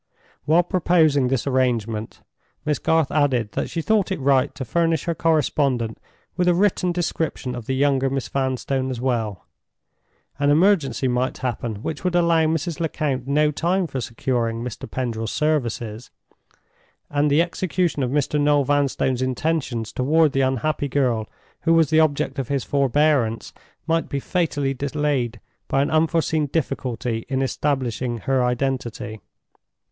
While proposing this arrangement, Miss Garth added that she thought it right to furnish her correspondent with a written description of the younger Miss Vanstone as well. An emergency might happen which would allow Mrs. Lecount no time for securing Mr. Pendril's services; and the execution of Mr. Noel Vanstone's intentions toward the unhappy girl who was the object of his forbearance might be fatally delayed by an unforeseen difficulty in establishing her identity.